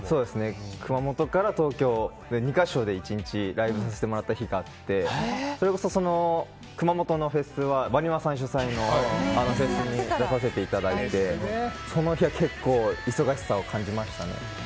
熊本から東京、２か所で１日ライブさせてもらった日があってそれこそ、熊本のフェスはＷＡＮＩＭＡさん主催のフェスに出させていただいてその日は結構忙しさを感じましたね。